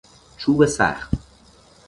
چوب سخت